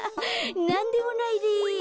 なんでもないです。